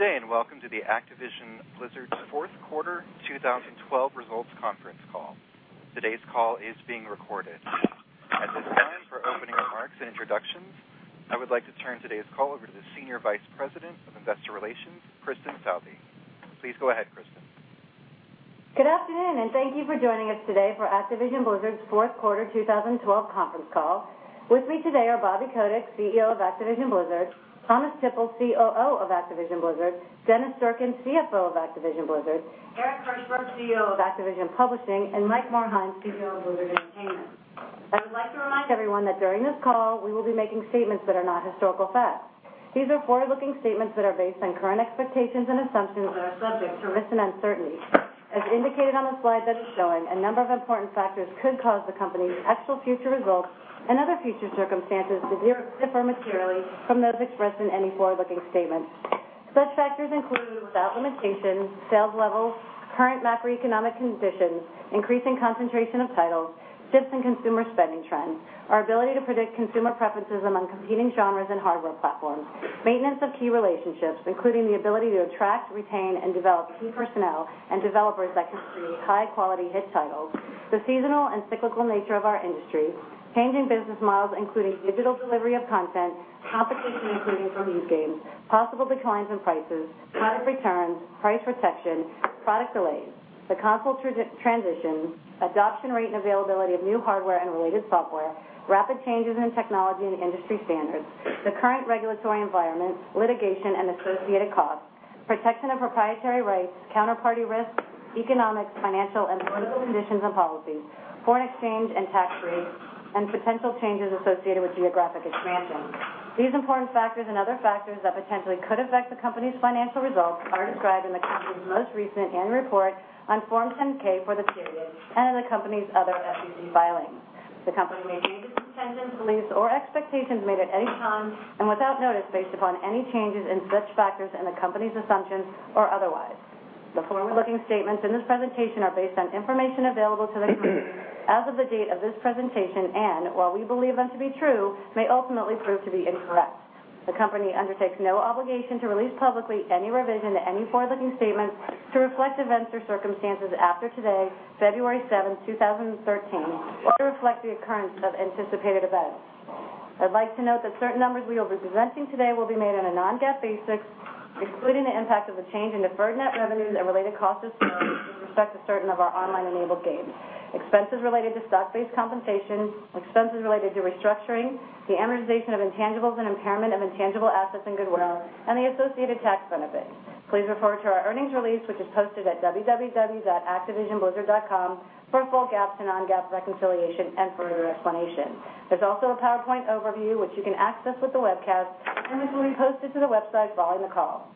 Good day. Welcome to the Activision Blizzard fourth quarter 2012 results conference call. Today's call is being recorded. At this time, for opening remarks and introductions, I would like to turn today's call over to the Senior Vice President of Investor Relations, Kristin Southey. Please go ahead, Kristin. Good afternoon. Thank you for joining us today for Activision Blizzard's fourth quarter 2012 conference call. With me today are Bobby Kotick, CEO of Activision Blizzard; Thomas Tippl, COO of Activision Blizzard; Dennis Durkin, CFO of Activision Blizzard; Eric Hirshberg, CEO of Activision Publishing; and Mike Morhaime, CEO of Blizzard Entertainment. I would like to remind everyone that during this call, we will be making statements that are not historical facts. These are forward-looking statements that are based on current expectations and assumptions that are subject to risk and uncertainty. As indicated on the slide that is showing, a number of important factors could cause the company's actual future results and other future circumstances to differ materially from those expressed in any forward-looking statement. Such factors include, but without limitation, sales levels, current macroeconomic conditions, increasing concentration of titles, shifts in consumer spending trends, our ability to predict consumer preferences among competing genres and hardware platforms, maintenance of key relationships, including the ability to attract, retain, and develop key personnel and developers that can create high-quality hit titles, the seasonal and cyclical nature of our industry, changing business models, including digital delivery of content, competition including from used games, possible declines in prices, product returns, price protection, product delays, the console transition, adoption rate and availability of new hardware and related software, rapid changes in technology and industry standards, the current regulatory environment, litigation and associated costs, protection of proprietary rights, counterparty risks, economics, financial and political conditions and policies, foreign exchange and tax rates, and potential changes associated with geographic expansion. These important factors and other factors that potentially could affect the company's financial results are described in the company's most recent annual report on Form 10-K for the period, in the company's other SEC filings. The company may change its intentions, beliefs, or expectations made at any time, without notice, based upon any changes in such factors and the company's assumptions, or otherwise. The forward-looking statements in this presentation are based on information available to the company as of the date of this presentation, while we believe them to be true, may ultimately prove to be incorrect. The company undertakes no obligation to release publicly any revision to any forward-looking statements to reflect events or circumstances after today, February 7th, 2013, or to reflect the occurrence of anticipated events. I'd like to note that certain numbers we will be presenting today will be made on a non-GAAP basis, excluding the impact of the change in deferred net revenues and related cost of sales with respect to certain of our online-enabled games. Expenses related to stock-based compensation, expenses related to restructuring, the amortization of intangibles and impairment of intangible assets and goodwill, and the associated tax benefits. Please refer to our earnings release, which is posted at www.activisionblizzard.com for a full GAAP to non-GAAP reconciliation and further explanation. There's also a PowerPoint overview, which you can access with the webcast, this will be posted to the website following the call.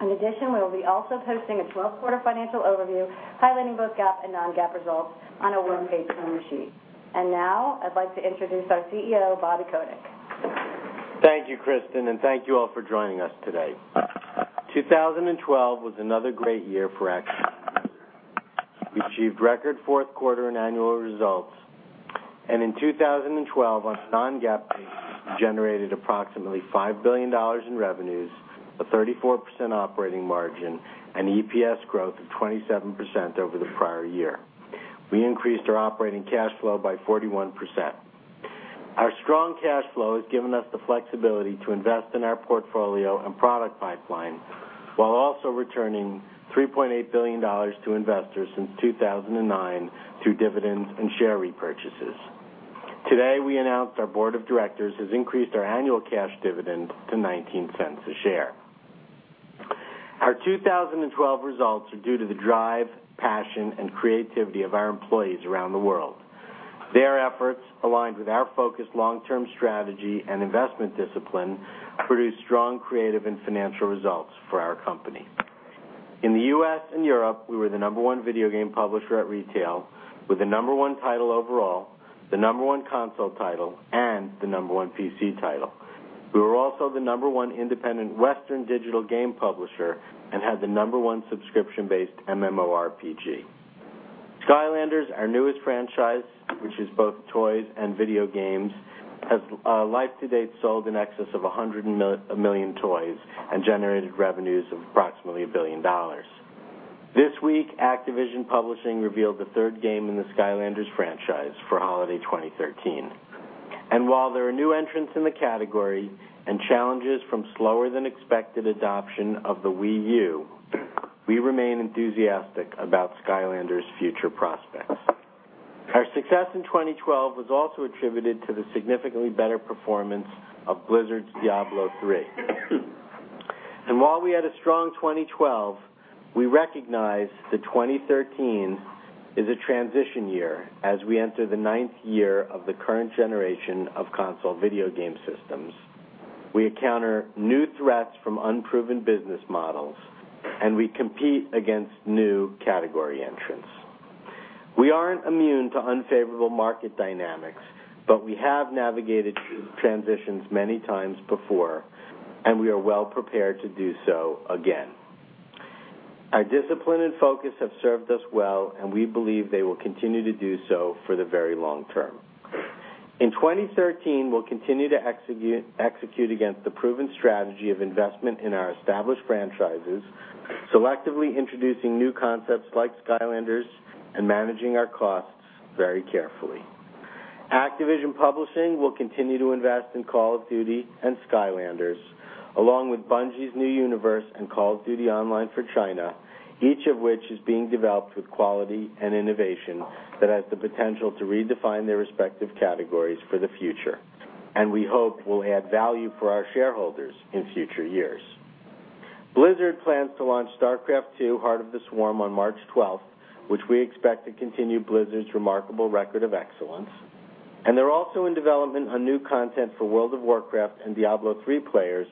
In addition, we will be also posting a 12-quarter financial overview highlighting both GAAP and non-GAAP results on a one-page balance sheet. Now, I'd like to introduce our CEO, Bobby Kotick. Thank you, Kristin, thank you all for joining us today. 2012 was another great year for Activision Blizzard. We achieved record fourth quarter and annual results. In 2012, on a non-GAAP basis, generated approximately $5 billion in revenues, a 34% operating margin, and EPS growth of 27% over the prior year. We increased our operating cash flow by 41%. Our strong cash flow has given us the flexibility to invest in our portfolio and product pipeline while also returning $3.8 billion to investors since 2009 through dividends and share repurchases. Today, we announced our board of directors has increased our annual cash dividend to $0.19 a share. Our 2012 results are due to the drive, passion, and creativity of our employees around the world. Their efforts, aligned with our focused long-term strategy and investment discipline, produced strong creative and financial results for our company. In the U.S. and Europe, we were the number one video game publisher at retail with the number one title overall, the number one console title, and the number one PC title. We were also the number one independent Western digital game publisher and had the number one subscription-based MMORPG. Skylanders, our newest franchise, which is both toys and video games, has life to date sold in excess of 100 million toys and generated revenues of approximately $1 billion. This week, Activision Publishing revealed the third game in the Skylanders franchise for holiday 2013. While there are new entrants in the category and challenges from slower-than-expected adoption of the Wii U, we remain enthusiastic about Skylanders' future prospects. Our success in 2012 was also attributed to the significantly better performance of Blizzard's Diablo III. While we had a strong 2012, we recognize that 2013 is a transition year as we enter the ninth year of the current generation of console video game systems. We encounter new threats from unproven business models, and we compete against new category entrants. We aren't immune to unfavorable market dynamics, but we have navigated transitions many times before, and we are well prepared to do so again. Our discipline and focus have served us well, and we believe they will continue to do so for the very long term. In 2013, we'll continue to execute against the proven strategy of investment in our established franchises, selectively introducing new concepts like Skylanders and managing our costs very carefully. Activision Publishing will continue to invest in Call of Duty and Skylanders, along with Bungie's new universe and Call of Duty Online for China, each of which is being developed with quality and innovation that has the potential to redefine their respective categories for the future, and we hope will add value for our shareholders in future years. Blizzard plans to launch StarCraft II: Heart of the Swarm on March 12th, which we expect to continue Blizzard's remarkable record of excellence. They're also in development on new content for World of Warcraft and Diablo III players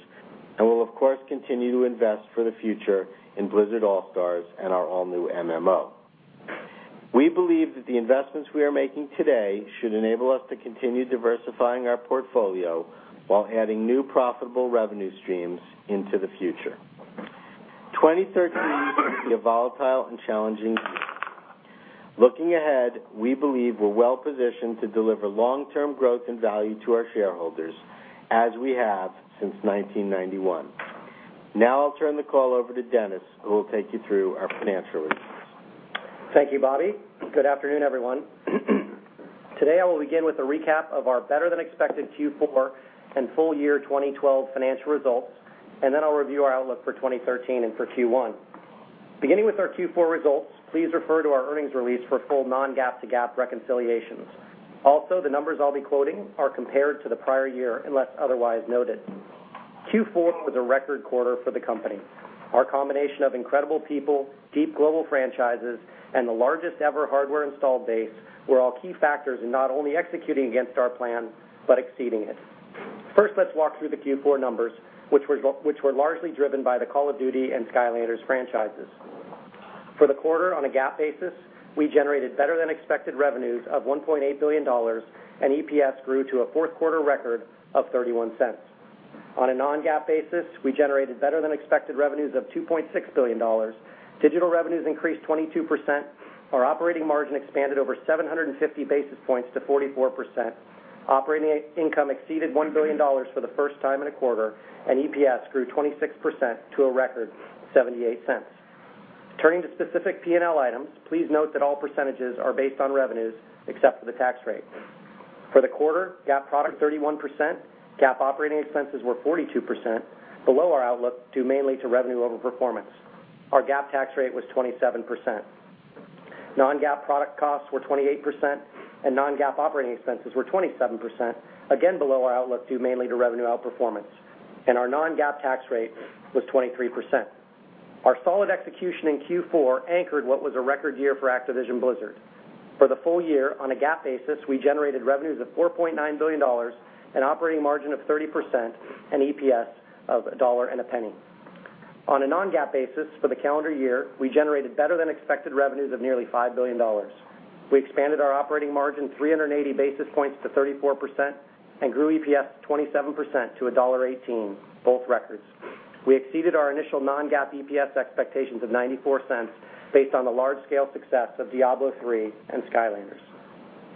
and will, of course, continue to invest for the future in Blizzard All-Stars and our all-new MMO. We believe that the investments we are making today should enable us to continue diversifying our portfolio while adding new profitable revenue streams into the future. 2013 will be a volatile and challenging year. Looking ahead, we believe we're well-positioned to deliver long-term growth and value to our shareholders, as we have since 1991. Now I'll turn the call over to Dennis, who will take you through our financial results. Thank you, Bobby. Good afternoon, everyone. Today, I will begin with a recap of our better-than-expected Q4 and full year 2012 financial results. Then I'll review our outlook for 2013 and for Q1. Beginning with our Q4 results, please refer to our earnings release for full non-GAAP to GAAP reconciliations. Also, the numbers I'll be quoting are compared to the prior year, unless otherwise noted. Q4 was a record quarter for the company. Our combination of incredible people, deep global franchises, and the largest ever hardware installed base were all key factors in not only executing against our plan but exceeding it. First, let's walk through the Q4 numbers, which were largely driven by the Call of Duty and Skylanders franchises. For the quarter on a GAAP basis, we generated better-than-expected revenues of $1.8 billion and EPS grew to a fourth quarter record of $0.31. On a non-GAAP basis, we generated better-than-expected revenues of $2.6 billion. Digital revenues increased 22%, our operating margin expanded over 750 basis points to 44%, operating income exceeded $1 billion for the first time in a quarter, and EPS grew 26% to a record $0.78. Turning to specific P&L items, please note that all percentages are based on revenues except for the tax rate. For the quarter, GAAP product 31%, GAAP operating expenses were 42%, below our outlook, due mainly to revenue over performance. Our GAAP tax rate was 27%. Non-GAAP product costs were 28%, and non-GAAP operating expenses were 27%, again below our outlook, due mainly to revenue outperformance. Our non-GAAP tax rate was 23%. Our solid execution in Q4 anchored what was a record year for Activision Blizzard. For the full year on a GAAP basis, we generated revenues of $4.9 billion, an operating margin of 30%, and EPS of $1.01. On a non-GAAP basis for the calendar year, we generated better-than-expected revenues of nearly $5 billion. We expanded our operating margin 380 basis points to 34% and grew EPS 27% to $1.18, both records. We exceeded our initial non-GAAP EPS expectations of $0.94 based on the large-scale success of Diablo III and Skylanders.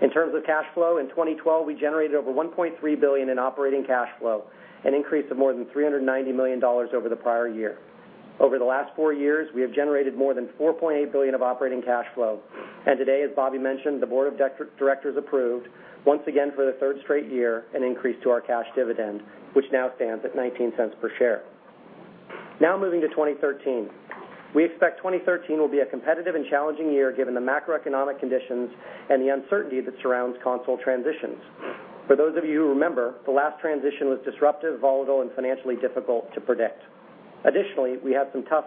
In terms of cash flow, in 2012, we generated over $1.3 billion in operating cash flow, an increase of more than $390 million over the prior year. Over the last four years, we have generated more than $4.8 billion of operating cash flow. Today, as Bobby mentioned, the board of directors approved, once again for the third straight year, an increase to our cash dividend, which now stands at $0.19 per share. Moving to 2013. We expect 2013 will be a competitive and challenging year given the macroeconomic conditions and the uncertainty that surrounds console transitions. For those of you who remember, the last transition was disruptive, volatile, and financially difficult to predict. Additionally, we have some tough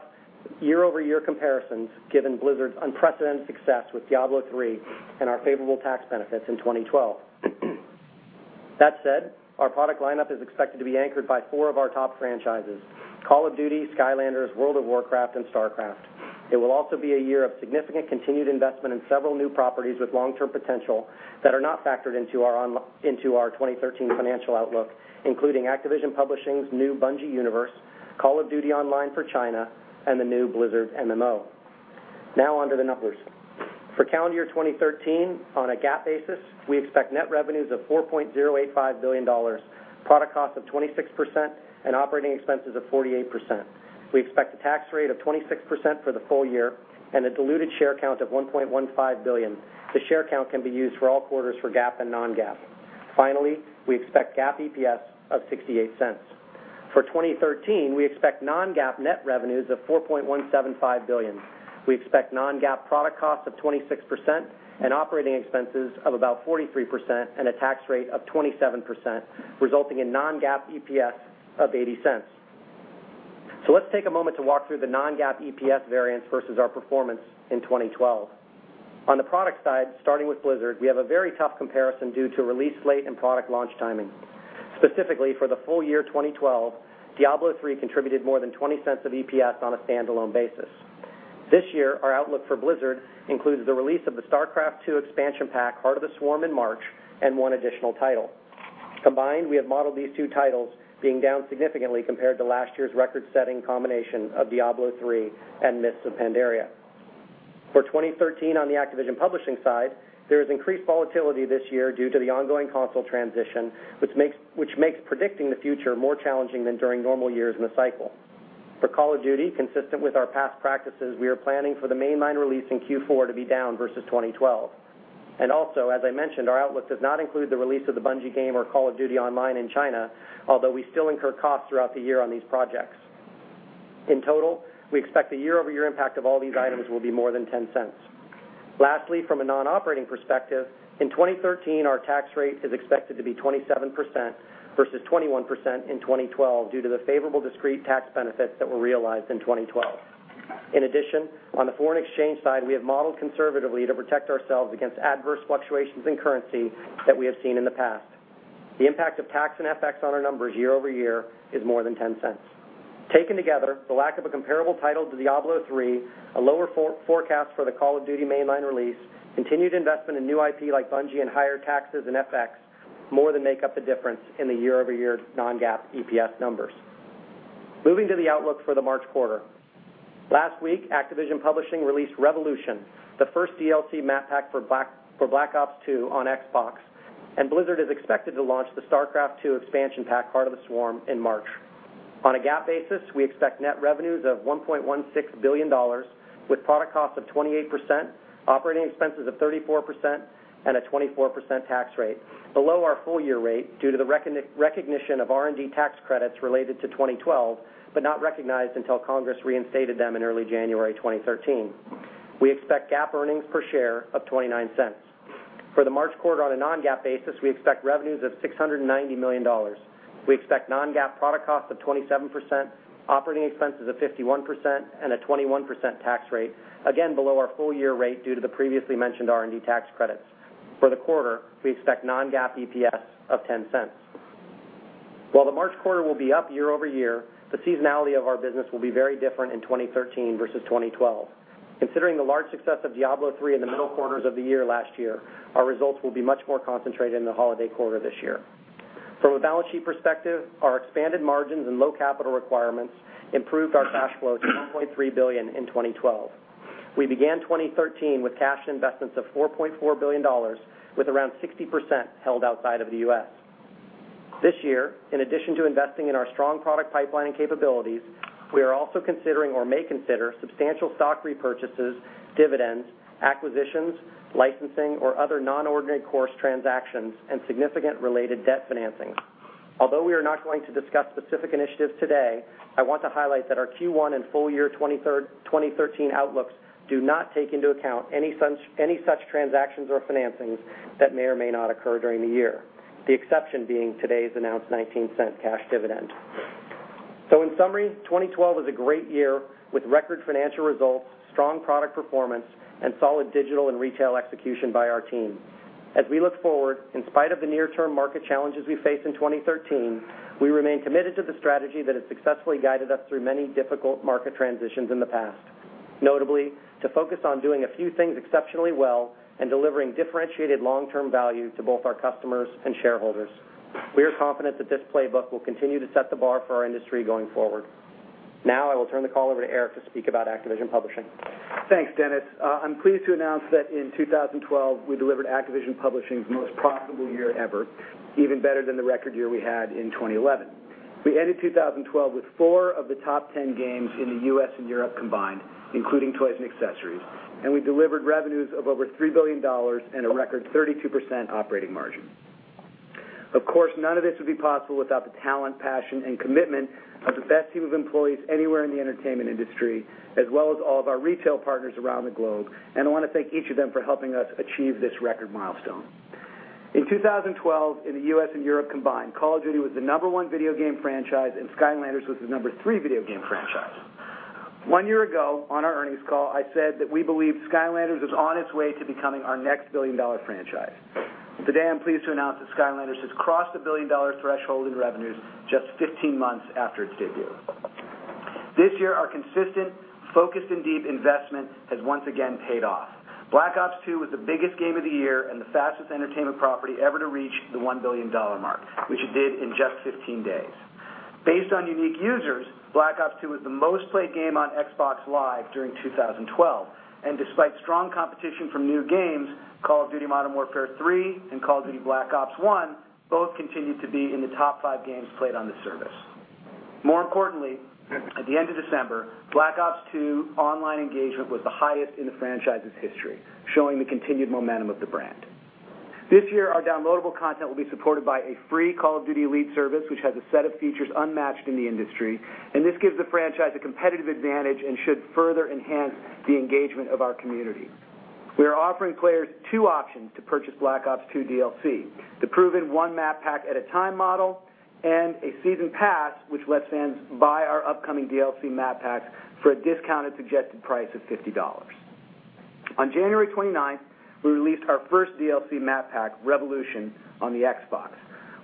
year-over-year comparisons given Blizzard's unprecedented success with Diablo III and our favorable tax benefits in 2012. That said, our product lineup is expected to be anchored by four of our top franchises, Call of Duty, Skylanders, World of Warcraft, and StarCraft. It will also be a year of significant continued investment in several new properties with long-term potential that are not factored into our 2013 financial outlook, including Activision Publishing's new Bungie universe, Call of Duty Online for China, and the new Blizzard MMO. On to the numbers. For calendar year 2013, on a GAAP basis, we expect net revenues of $4.085 billion, product cost of 26%, and operating expenses of 48%. We expect a tax rate of 26% for the full year and a diluted share count of 1.15 billion. The share count can be used for all quarters for GAAP and non-GAAP. Finally, we expect GAAP EPS of $0.68. For 2013, we expect non-GAAP net revenues of $4.175 billion. We expect non-GAAP product costs of 26% and operating expenses of about 43%, and a tax rate of 27%, resulting in non-GAAP EPS of $0.80. Let's take a moment to walk through the non-GAAP EPS variance versus our performance in 2012. On the product side, starting with Blizzard, we have a very tough comparison due to release slate and product launch timing. Specifically, for the full year 2012, Diablo III contributed more than $0.20 of EPS on a standalone basis. This year, our outlook for Blizzard includes the release of the StarCraft II expansion pack, Heart of the Swarm, in March, and one additional title. Combined, we have modeled these two titles being down significantly compared to last year's record-setting combination of Diablo III and Mists of Pandaria. For 2013, on the Activision Publishing side, there is increased volatility this year due to the ongoing console transition, which makes predicting the future more challenging than during normal years in the cycle. For "Call of Duty," consistent with our past practices, we are planning for the mainline release in Q4 to be down versus 2012. Also, as I mentioned, our outlook does not include the release of the Bungie game or "Call of Duty Online" in China, although we still incur costs throughout the year on these projects. In total, we expect the year-over-year impact of all these items will be more than $0.10. Lastly, from a non-operating perspective, in 2013, our tax rate is expected to be 27% versus 21% in 2012 due to the favorable discrete tax benefits that were realized in 2012. In addition, on the foreign exchange side, we have modeled conservatively to protect ourselves against adverse fluctuations in currency that we have seen in the past. The impact of tax and FX on our numbers year-over-year is more than $0.10. Taken together, the lack of a comparable title to "Diablo III," a lower forecast for the "Call of Duty" mainline release, continued investment in new IP like Bungie, and higher taxes and FX more than make up the difference in the year-over-year non-GAAP EPS numbers. Moving to the outlook for the March quarter. Last week, Activision Publishing released "Revolution," the first DLC map pack for "Black Ops II" on Xbox, and Blizzard is expected to launch the "StarCraft II" expansion pack, "Heart of the Swarm," in March. On a GAAP basis, we expect net revenues of $1.16 billion with product cost of 28%, operating expenses of 34%, and a 24% tax rate below our full-year rate due to the recognition of R&D tax credits related to 2012, but not recognized until Congress reinstated them in early January 2013. We expect GAAP earnings per share of $0.29. For the March quarter on a non-GAAP basis, we expect revenues of $690 million. We expect non-GAAP product cost of 27%, operating expenses of 51%, and a 21% tax rate, again below our full-year rate due to the previously mentioned R&D tax credits. For the quarter, we expect non-GAAP EPS of $0.10. While the March quarter will be up year-over-year, the seasonality of our business will be very different in 2013 versus 2012. Considering the large success of "Diablo III" in the middle quarters of the year last year, our results will be much more concentrated in the holiday quarter this year. From a balance sheet perspective, our expanded margins and low capital requirements improved our cash flow to $1.3 billion in 2012. We began 2013 with cash investments of $4.4 billion, with around 60% held outside of the U.S. This year, in addition to investing in our strong product pipeline and capabilities, we are also considering or may consider substantial stock repurchases, dividends, acquisitions, licensing, or other non-ordinary course transactions and significant related debt financing. Although we are not going to discuss specific initiatives today, I want to highlight that our Q1 and full-year 2013 outlooks do not take into account any such transactions or financings that may or may not occur during the year. The exception being today's announced $0.19 cash dividend. In summary, 2012 was a great year with record financial results, strong product performance, and solid digital and retail execution by our team. As we look forward, in spite of the near-term market challenges we face in 2013, we remain committed to the strategy that has successfully guided us through many difficult market transitions in the past, notably, to focus on doing a few things exceptionally well and delivering differentiated long-term value to both our customers and shareholders. We are confident that this playbook will continue to set the bar for our industry going forward. Now I will turn the call over to Eric to speak about Activision Publishing. Thanks, Dennis. I'm pleased to announce that in 2012, we delivered Activision Publishing's most profitable year ever, even better than the record year we had in 2011. We ended 2012 with four of the top 10 games in the U.S. and Europe combined, including toys and accessories. We delivered revenues of over $3 billion and a record 32% operating margin. Of course, none of this would be possible without the talent, passion, and commitment of the best team of employees anywhere in the entertainment industry, as well as all of our retail partners around the globe. I want to thank each of them for helping us achieve this record milestone. In 2012, in the U.S. and Europe combined, Call of Duty was the number one video game franchise. Skylanders was the number three video game franchise. One year ago, on our earnings call, I said that we believe Skylanders is on its way to becoming our next billion-dollar franchise. Today, I'm pleased to announce that Skylanders has crossed the billion-dollar threshold in revenues just 15 months after its debut. This year, our consistent, focused, and deep investment has once again paid off. Black Ops II was the biggest game of the year and the fastest entertainment property ever to reach the $1 billion mark, which it did in just 15 days. Based on unique users, Black Ops II was the most-played game on Xbox Live during 2012. Despite strong competition from new games, Call of Duty: Modern Warfare 3 and Call of Duty: Black Ops 1 both continued to be in the top five games played on the service. More importantly, at the end of December, Black Ops II online engagement was the highest in the franchise's history, showing the continued momentum of the brand. This year, our downloadable content will be supported by a free Call of Duty Elite service, which has a set of features unmatched in the industry. This gives the franchise a competitive advantage and should further enhance the engagement of our community. We are offering players two options to purchase Black Ops II DLC, the proven one map pack at a time model, and a season pass, which lets fans buy our upcoming DLC map packs for a discounted suggested price of $50. On January 29th, we released our first DLC map pack, Revolution, on the Xbox.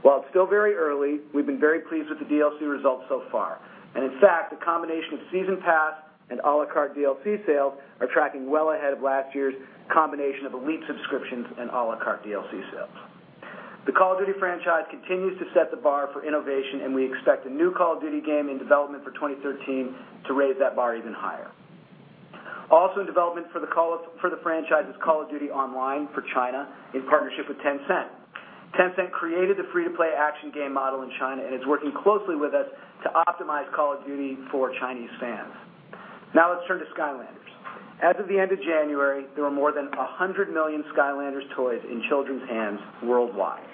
While it's still very early, we've been very pleased with the DLC results so far. In fact, the combination of season pass and à la carte DLC sales are tracking well ahead of last year's combination of Elite subscriptions and à la carte DLC sales. The Call of Duty franchise continues to set the bar for innovation, and we expect a new Call of Duty game in development for 2013 to raise that bar even higher. In development for the franchise is Call of Duty Online for China, in partnership with Tencent. Tencent created the free-to-play action game model in China and is working closely with us to optimize Call of Duty for Chinese fans. Now let's turn to Skylanders. As of the end of January, there were more than 100 million Skylanders toys in children's hands worldwide.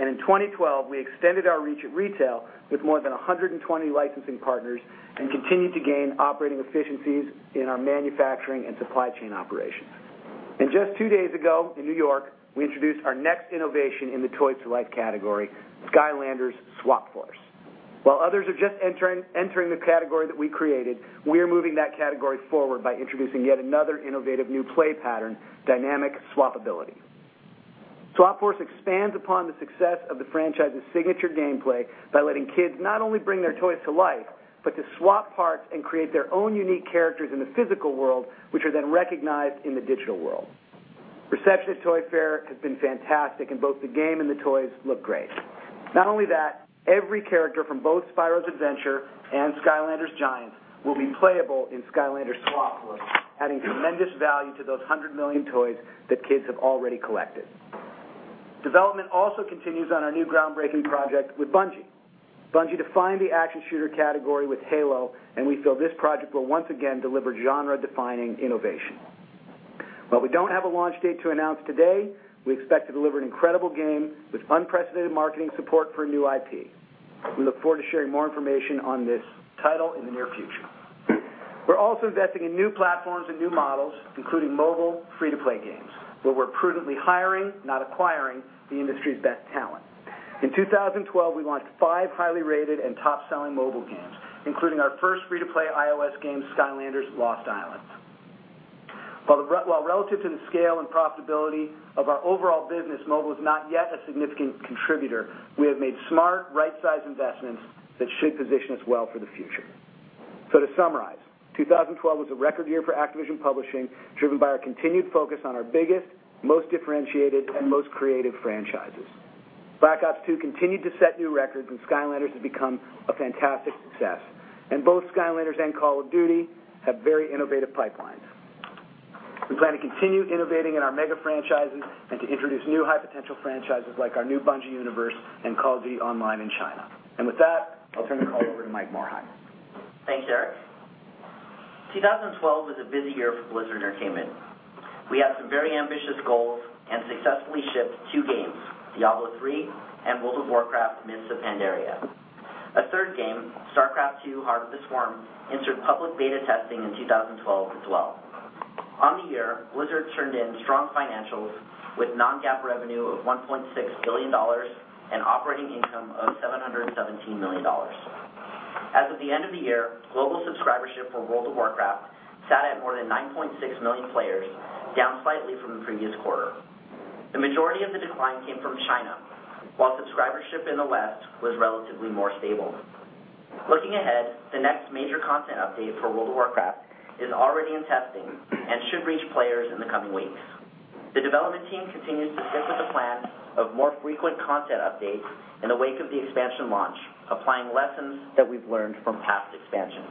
In 2012, we extended our reach at retail with more than 120 licensing partners and continued to gain operating efficiencies in our manufacturing and supply chain operations. Just two days ago, in New York, we introduced our next innovation in the toy-to-life category, Skylanders Swap Force. While others are just entering the category that we created, we are moving that category forward by introducing yet another innovative new play pattern, dynamic swapability. Swap Force expands upon the success of the franchise's signature gameplay by letting kids not only bring their toys to life but to swap parts and create their own unique characters in the physical world, which are then recognized in the digital world. Reception at Toy Fair has been fantastic, and both the game and the toys look great. Not only that, every character from both Spyro's Adventure and Skylanders Giants will be playable in Skylanders Swap Force, adding tremendous value to those 100 million toys that kids have already collected. Development also continues on our new groundbreaking project with Bungie. Bungie defined the action shooter category with Halo, and we feel this project will once again deliver genre-defining innovation. While we don't have a launch date to announce today, we expect to deliver an incredible game with unprecedented marketing support for a new IP. We look forward to sharing more information on this title in the near future. We're also investing in new platforms and new models, including mobile free-to-play games, where we're prudently hiring, not acquiring, the industry's best talent. In 2012, we launched five highly rated and top-selling mobile games, including our first free-to-play iOS game, Skylanders Lost Islands. While relative to the scale and profitability of our overall business, mobile is not yet a significant contributor, we have made smart, right-sized investments that should position us well for the future. To summarize, 2012 was a record year for Activision Publishing, driven by our continued focus on our biggest, most differentiated, and most creative franchises. Black Ops II continued to set new records, and Skylanders has become a fantastic success. Both Skylanders and Call of Duty have very innovative pipelines. We plan to continue innovating in our mega franchises and to introduce new high-potential franchises like our new Bungie universe and Call of Duty Online in China. With that, I'll turn the call over to Mike Morhaime. Thanks, Eric. 2012 was a busy year for Blizzard Entertainment. We had some very ambitious goals and successfully shipped two games, Diablo III and World of Warcraft: Mists of Pandaria. A third game, StarCraft II: Heart of the Swarm, entered public beta testing in 2012 as well. On the year, Blizzard turned in strong financials with non-GAAP revenue of $1.6 billion and operating income of $717 million. As of the end of the year, global subscribership for World of Warcraft sat at more than 9.6 million players, down slightly from the previous quarter. The majority of the decline came from China, while subscribership in the West was relatively more stable. Looking ahead, the next major content update for World of Warcraft is already in testing and should reach players in the coming weeks. The development team continues to stick with the plan of more frequent content updates in the wake of the expansion launch, applying lessons that we've learned from past expansions.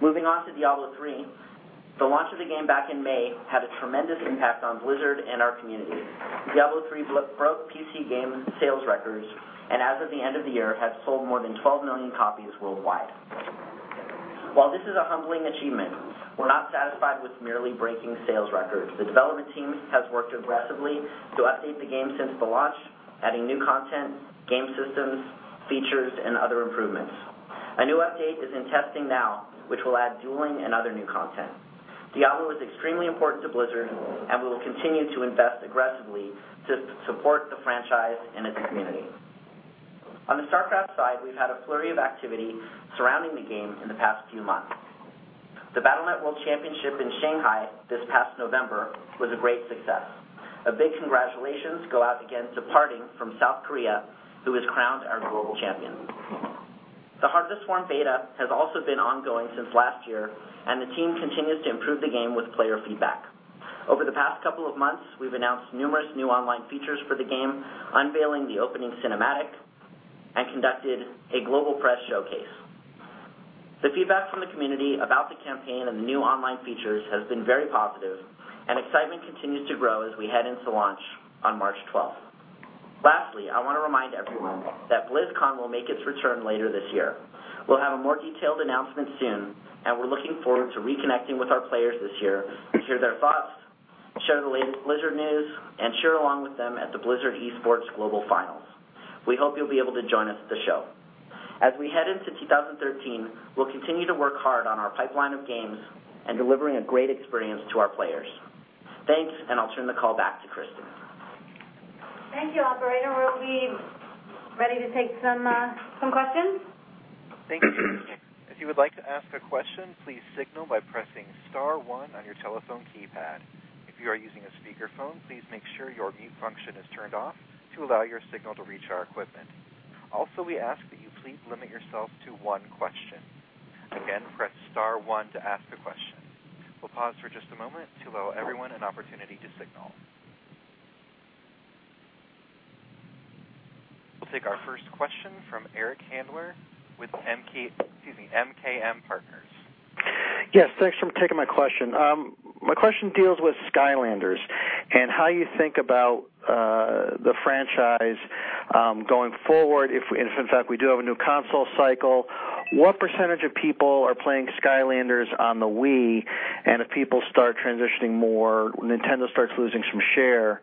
Moving on to Diablo III, the launch of the game back in May had a tremendous impact on Blizzard and our community. Diablo III broke PC game sales records, and as of the end of the year, had sold more than 12 million copies worldwide. While this is a humbling achievement, we're not satisfied with merely breaking sales records. The development team has worked aggressively to update the game since the launch, adding new content, game systems, features, and other improvements. A new update is in testing now, which will add dueling and other new content. Diablo is extremely important to Blizzard, and we will continue to invest aggressively to support the franchise and its community. On the StarCraft side, we've had a flurry of activity surrounding the game in the past few months. The Battle.net World Championship in Shanghai this past November was a great success. A big congratulations go out again to PartinG from South Korea, who was crowned our global champion. The Heart of the Swarm beta has also been ongoing since last year, and the team continues to improve the game with player feedback. Over the past couple of months, we've announced numerous new online features for the game, unveiling the opening cinematic, and conducted a global press showcase. The feedback from the community about the campaign and the new online features has been very positive, and excitement continues to grow as we head into launch on March 12th. Lastly, I want to remind everyone that BlizzCon will make its return later this year. We'll have a more detailed announcement soon, and we're looking forward to reconnecting with our players this year to hear their thoughts, share the latest Blizzard news, cheer along with them at the Blizzard Esports Global Finals. We hope you'll be able to join us at the show. As we head into 2013, we'll continue to work hard on our pipeline of games and delivering a great experience to our players. Thanks. I'll turn the call back to Kristin. Thank you, operator. We're ready to take some questions. Thank you. If you would like to ask a question, please signal by pressing star one on your telephone keypad. If you are using a speakerphone, please make sure your mute function is turned off to allow your signal to reach our equipment. Also, we ask that you please limit yourself to one question. Again, press star one to ask a question. We'll pause for just a moment to allow everyone an opportunity to signal. We'll take our first question from Eric Handler with MKM Partners. Yes, thanks for taking my question. My question deals with Skylanders and how you think about the franchise going forward if, in fact, we do have a new console cycle. What percentage of people are playing Skylanders on the Wii? If people start transitioning more, Nintendo starts losing some share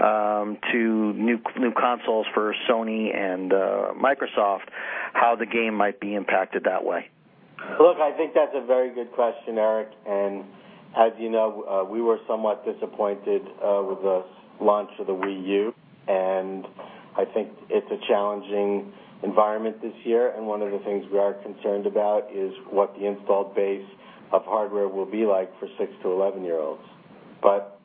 to new consoles for Sony and Microsoft, how the game might be impacted that way. Look, I think that's a very good question, Eric, and as you know, we were somewhat disappointed with the launch of the Wii U, and I think it's a challenging environment this year. One of the things we are concerned about is what the install base of hardware will be like for 6 to 11-year-olds.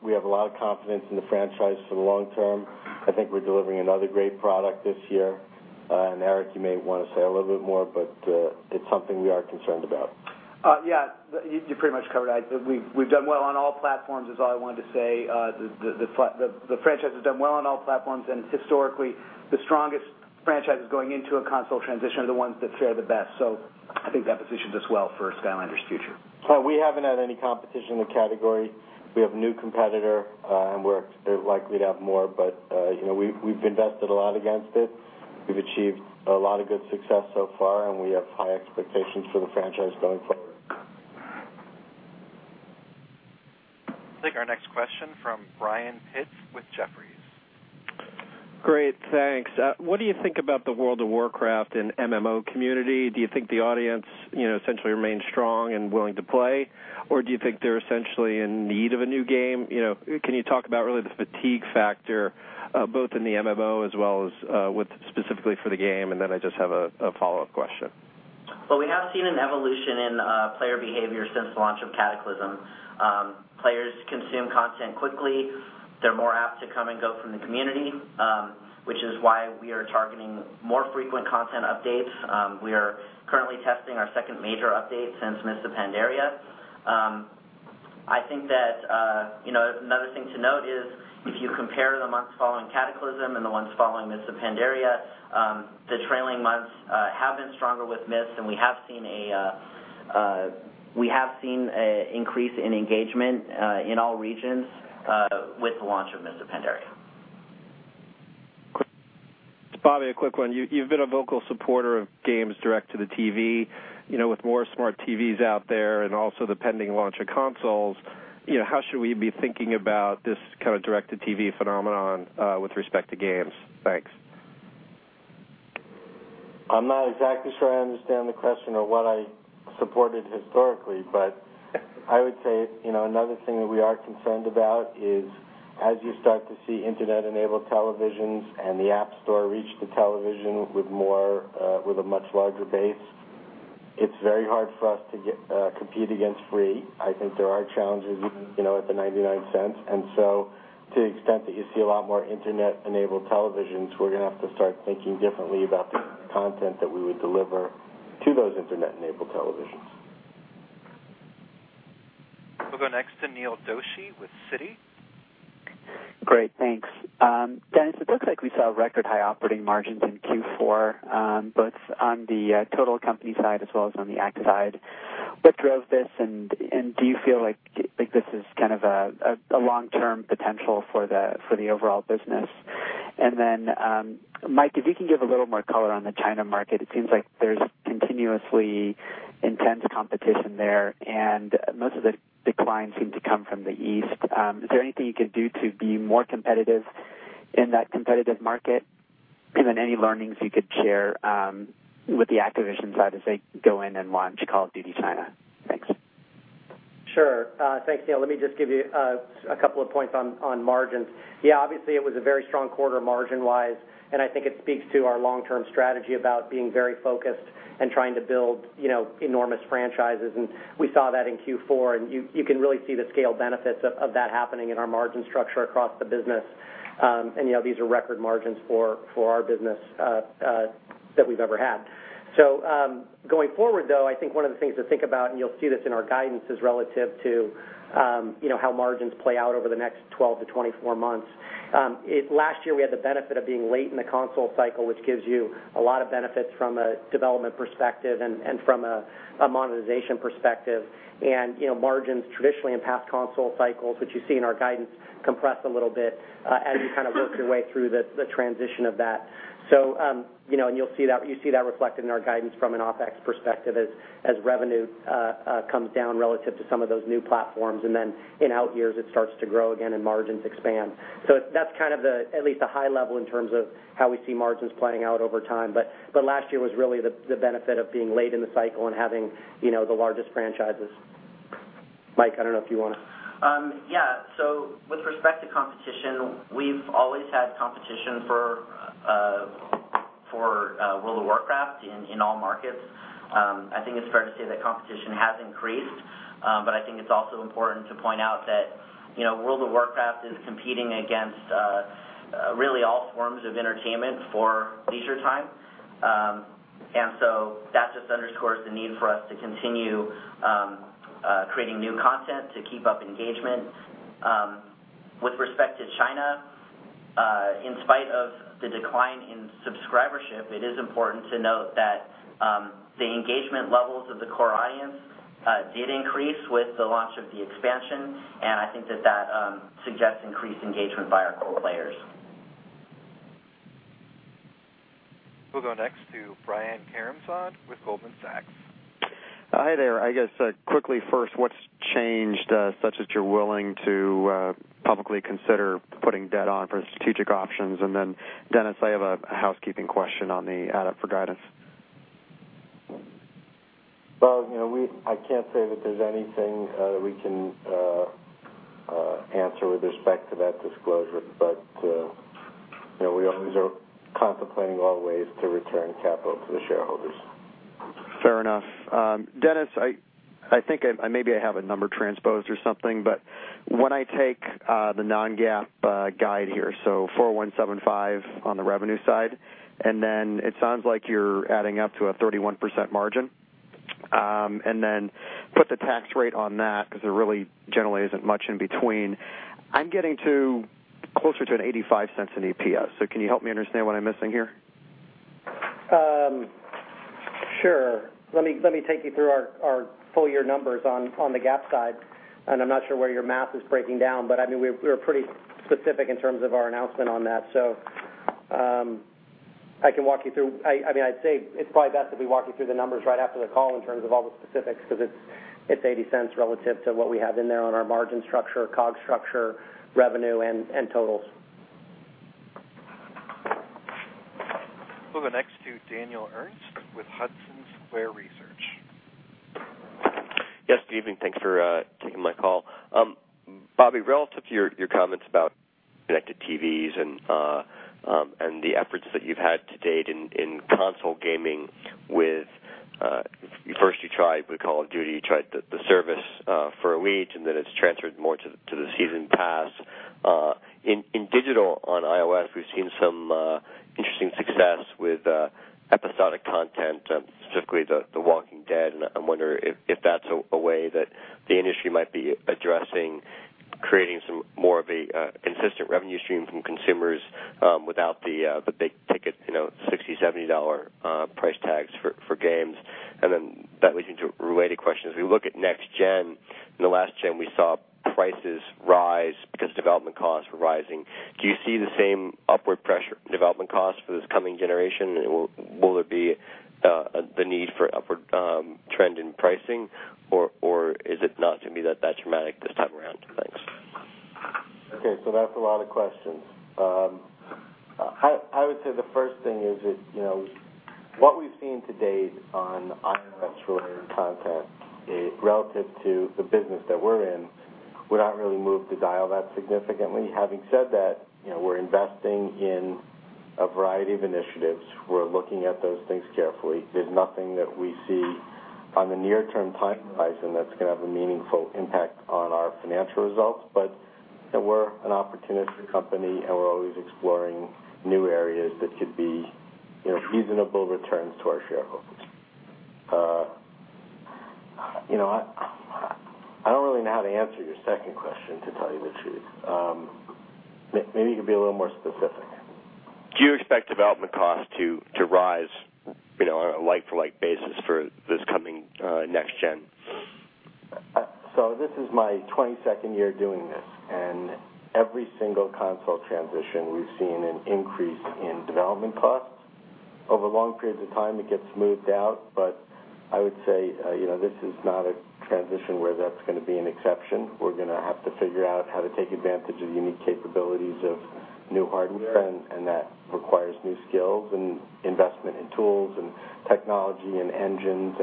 We have a lot of confidence in the franchise for the long term. I think we're delivering another great product this year. Eric, you may want to say a little bit more, but it's something we are concerned about. Yeah. You pretty much covered. We've done well on all platforms is all I wanted to say. The franchise has done well on all platforms, and historically, the strongest franchises going into a console transition are the ones that fare the best. I think that positions us well for Skylanders' future. We haven't had any competition in the category. We have a new competitor, and we're likely to have more, but we've invested a lot against it. We've achieved a lot of good success so far, and we have high expectations for the franchise going forward. Take our next question from Brian Pitz with Jefferies. Great, thanks. What do you think about the World of Warcraft and MMO community? Do you think the audience essentially remains strong and willing to play, or do you think they're essentially in need of a new game? Can you talk about really the fatigue factor both in the MMO as well as with specifically for the game? I just have a follow-up question. Well, we have seen an evolution in player behavior since the launch of Cataclysm. Players consume content quickly. They're more apt to come and go from the community, which is why we are targeting more frequent content updates. We are currently testing our second major update since Mists of Pandaria. I think that another thing to note is if you compare the months following Cataclysm and the ones following Mists of Pandaria, the trailing months have been stronger with Mists, and we have seen an increase in engagement in all regions with the launch of Mists of Pandaria. Bobby, a quick one. You've been a vocal supporter of games direct to the TV. With more smart TVs out there and also the pending launch of consoles, how should we be thinking about this kind of direct-to-TV phenomenon with respect to games? Thanks. I'm not exactly sure I understand the question or what I supported historically. I would say another thing that we are concerned about is as you start to see Internet-enabled televisions and the App Store reach the television with a much larger base, it's very hard for us to compete against free. I think there are challenges with the $0.99. To the extent that you see a lot more Internet-enabled televisions, we're going to have to start thinking differently about the content that we would deliver to those Internet-enabled televisions. We'll go next to Neil Doshi with Citi. Great, thanks. Dennis, it looks like we saw record high operating margins in Q4 both on the total company side as well as on the Acti side. What drove this, and do you feel like this is kind of a long-term potential for the overall business? Mike, if you can give a little more color on the China market. It seems like there's continuously intense competition there, and most of the decline seemed to come from the East. Is there anything you could do to be more competitive in that competitive market? Any learnings you could share with the Activision side as they go in and launch Call of Duty China? Thanks. Sure. Thanks, Neil. Let me just give you a couple of points on margins. Yeah, obviously, it was a very strong quarter margin-wise, and I think it speaks to our long-term strategy about being very focused and trying to build enormous franchises. We saw that in Q4, and you can really see the scale benefits of that happening in our margin structure across the business. These are record margins for our business that we've ever had. Going forward, though, I think one of the things to think about, and you'll see this in our guidance, is relative to how margins play out over the next 12-24 months. Last year, we had the benefit of being late in the console cycle, which gives you a lot of benefits from a development perspective and from a monetization perspective. Margins traditionally in past console cycles, which you see in our guidance, compress a little bit as you kind of work your way through the transition of that. You see that reflected in our guidance from an OpEx perspective as revenue comes down relative to some of those new platforms. In out years, it starts to grow again and margins expand. That's kind of at least the high level in terms of how we see margins planning out over time. Last year was really the benefit of being late in the cycle and having the largest franchises. Mike, I don't know if you want to. Yeah. With respect to competition, we've always had competition for World of Warcraft in all markets. I think it's fair to say that competition has increased, but I think it's also important to point out that World of Warcraft is competing against really all forms of entertainment for leisure time. That just underscores the need for us to continue creating new content to keep up engagement. With respect to China, in spite of the decline in subscribership, it is important to note that the engagement levels of the core audience did increase with the launch of the expansion, and I think that suggests increased engagement by our core players. We'll go next to Brian Karimzad with Goldman Sachs. Hi there. I guess quickly first, what's changed such that you're willing to publicly consider putting debt on for strategic options? Dennis, I have a housekeeping question on the add up for guidance. Well, I can't say that there's anything that we can answer with respect to that disclosure, but we always are contemplating all ways to return capital to the shareholders. Fair enough. Dennis, I think maybe I have a number transposed or something, but when I take the non-GAAP guide here, 4,175 on the revenue side, it sounds like you're adding up to a 31% margin. Put the tax rate on that because there really generally isn't much in between. I'm getting to closer to an $0.85 in EPS. Can you help me understand what I'm missing here? Sure. Let me take you through our full year numbers on the GAAP side. I'm not sure where your math is breaking down, but we were pretty specific in terms of our announcement on that. I can walk you through. I'd say it's probably best if we walk you through the numbers right after the call in terms of all the specifics, because it's $0.80 relative to what we have in there on our margin structure, COG structure, revenue, and totals. We'll go next to Daniel Ernst with Hudson Square Research. Yes, good evening. Thanks for taking my call. Bobby, relative to your comments about connected TVs and the efforts that you've had to date in console gaming with first you tried with Call of Duty, you tried the service for a week, then it's transferred more to the season pass. In digital on iOS, we've seen some interesting success with episodic content, specifically The Walking Dead. I wonder if that's a way that the industry might be addressing creating some more of a consistent revenue stream from consumers without the big ticket, $60, $70 price tags for games. Then that leads into a related question. As we look at next gen, in the last gen, we saw prices rise because development costs were rising. Do you see the same upward pressure development costs for this coming generation? Will there be the need for upward trend in pricing, or is it not going to be that dramatic this time around? Thanks. Okay. That's a lot of questions. I would say the first thing is what we've seen to date on iOS related content relative to the business that we're in would not really move the dial that significantly. Having said that, we're investing in a variety of initiatives. We're looking at those things carefully. There's nothing that we see on the near term time horizon that's going to have a meaningful impact on our financial results. We're an opportunistic company, and we're always exploring new areas that could be reasonable returns to our shareholders. I don't really know how to answer your second question, to tell you the truth. Maybe you can be a little more specific. Do you expect development costs to rise on a like-for-like basis for this coming next gen? This is my 22nd year doing this, and every single console transition, we've seen an increase in development costs. Over long periods of time, it gets smoothed out, but I would say this is not a transition where that's going to be an exception. We're going to have to figure out how to take advantage of unique capabilities of new hardware, and that requires new skills and investment in tools and technology and engines.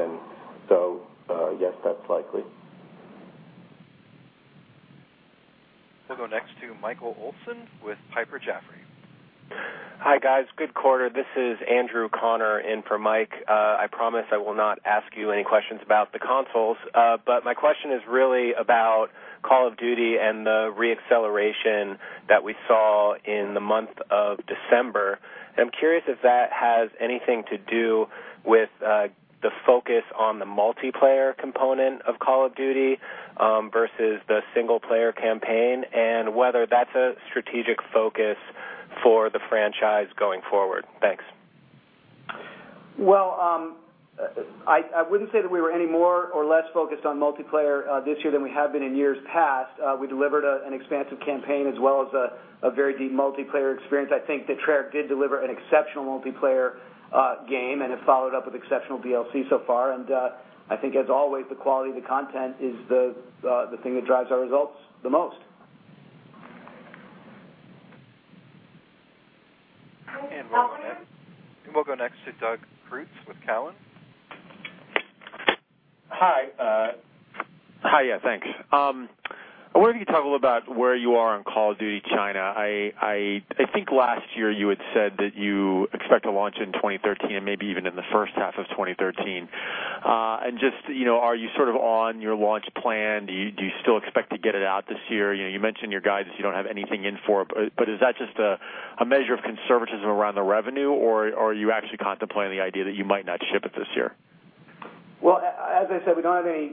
Yes, that's likely. We'll go next to Michael Olson with Piper Jaffray. Hi, guys. Good quarter. This is Andrew O'Connor in for Mike. I promise I will not ask you any questions about the consoles. My question is really about Call of Duty and the re-acceleration that we saw in the month of December. I'm curious if that has anything to do with the focus on the multiplayer component of Call of Duty versus the single player campaign, and whether that's a strategic focus for the franchise going forward. Thanks. I wouldn't say that we were any more or less focused on multiplayer this year than we have been in years past. We delivered an expansive campaign as well as a very deep multiplayer experience. I think that Treyarch did deliver an exceptional multiplayer game and have followed up with exceptional DLC so far. I think as always, the quality of the content is the thing that drives our results the most. We'll go next to Doug Creutz with Cowen. Hi. Thanks. I wonder if you can talk a little about where you are on Call of Duty China. I think last year you had said that you expect to launch in 2013 and maybe even in the first half of 2013. Just are you sort of on your launch plan? Do you still expect to get it out this year? You mentioned your guidance, you don't have anything in for it, but is that just a measure of conservatism around the revenue, or are you actually contemplating the idea that you might not ship it this year? Well, as I said, we don't have any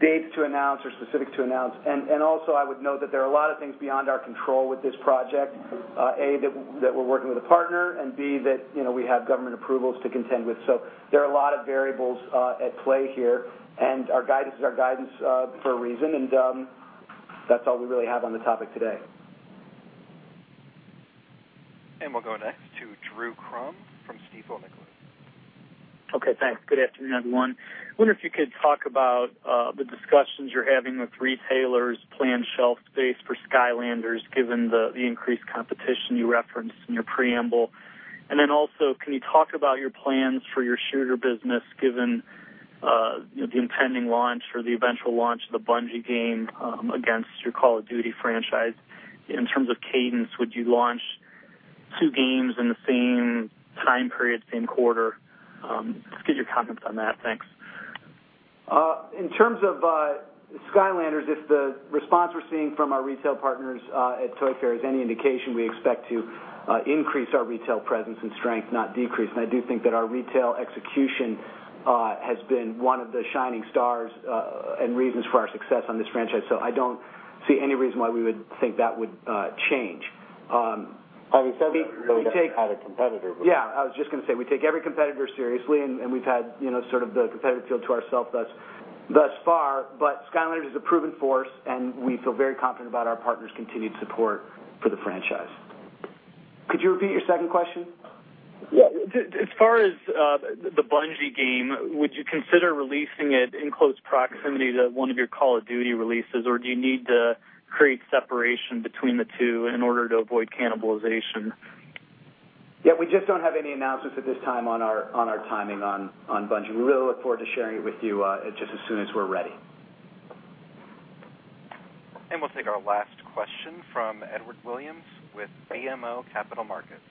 dates to announce or specific to announce. Also, I would note that there are a lot of things beyond our control with this project. A, that we're working with a partner, and B, that we have government approvals to contend with. There are a lot of variables at play here, and our guidance is our guidance for a reason. That's all we really have on the topic today. We'll go next to Drew Crum from Stifel Nicolaus. Okay, thanks. Good afternoon, everyone. Wonder if you could talk about the discussions you're having with retailers' planned shelf space for Skylanders, given the increased competition you referenced in your preamble. Also, can you talk about your plans for your shooter business, given the impending launch or the eventual launch of the Bungie game against your Call of Duty franchise. In terms of cadence, would you launch two games in the same time period, same quarter? Just get your comments on that. Thanks. In terms of Skylanders, if the response we're seeing from our retail partners at Toy Fair is any indication, we expect to increase our retail presence and strength, not decrease. I do think that our retail execution has been one of the shining stars and reasons for our success on this franchise. I don't see any reason why we would think that would change. Having said that, you have a competitor. Yeah, I was just going to say, we take every competitor seriously. We've had sort of the competitive field to ourself thus far. Skylanders is a proven force, and we feel very confident about our partners' continued support for the franchise. Could you repeat your second question? Yeah. As far as the Bungie game, would you consider releasing it in close proximity to one of your Call of Duty releases, or do you need to create separation between the two in order to avoid cannibalization? Yeah, we just don't have any announcements at this time on our timing on Bungie. We really look forward to sharing it with you just as soon as we're ready. We'll take our last question from Edward Williams with BMO Capital Markets.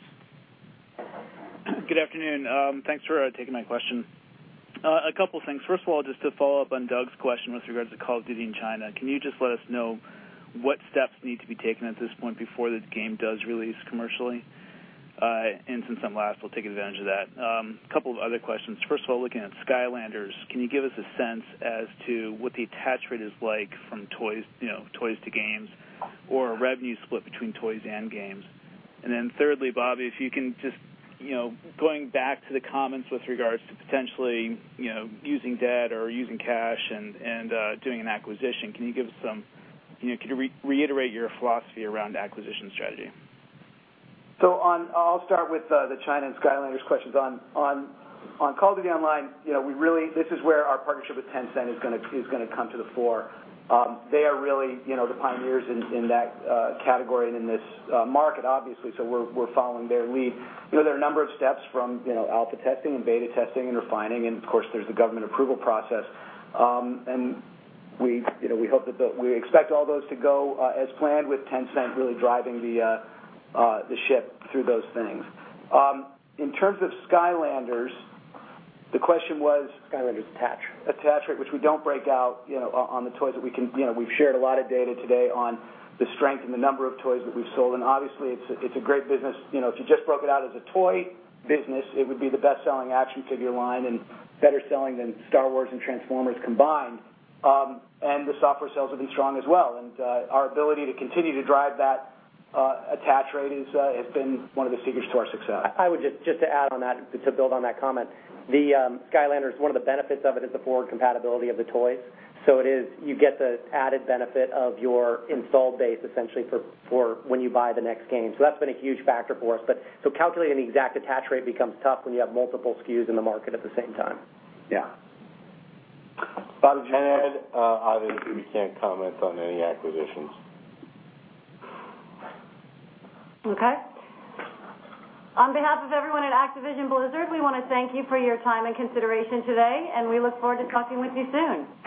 Good afternoon. Thanks for taking my question. A couple things. First of all, just to follow up on Doug's question with regards to Call of Duty in China, can you just let us know what steps need to be taken at this point before the game does release commercially? Since I'm last, I'll take advantage of that. Couple of other questions. First of all, looking at Skylanders, can you give us a sense as to what the attach rate is like from toys to games, or a revenue split between toys and games? Then thirdly, Bobby, if you can just, going back to the comments with regards to potentially using debt or using cash and doing an acquisition, can you reiterate your philosophy around acquisition strategy? I'll start with the China and Skylanders questions. On Call of Duty Online, this is where our partnership with Tencent is going to come to the fore. They are really the pioneers in that category and in this market, obviously. We're following their lead. There are a number of steps from alpha testing and beta testing and refining, and of course, there's the government approval process. We expect all those to go as planned with Tencent really driving the ship through those things. In terms of Skylanders, the question was- Skylanders attach rate attach rate, which we don't break out on the toys. We've shared a lot of data today on the strength and the number of toys that we've sold. Obviously it's a great business. If you just broke it out as a toy business, it would be the best-selling action figure line and better-selling than Star Wars and Transformers combined. The software sales have been strong as well, and our ability to continue to drive that attach rate has been one of the secrets to our success. Just to add on that, to build on that comment, the Skylanders, one of the benefits of it is the forward compatibility of the toys. You get the added benefit of your install base essentially for when you buy the next game. That's been a huge factor for us. Calculating the exact attach rate becomes tough when you have multiple SKUs in the market at the same time. Yeah. Bobby, did you want to add? Obviously, we can't comment on any acquisitions. Okay. On behalf of everyone at Activision Blizzard, we want to thank you for your time and consideration today. We look forward to talking with you soon.